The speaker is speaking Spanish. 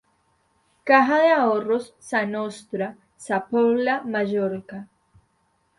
Caja de Ahorros "Sa Nostra" Sa Pobla, Mallorca.